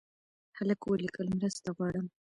هلک ولیکل مرسته غواړم.